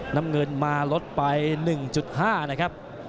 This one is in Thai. น้ำเงินมาลดไป๑๕นะครับ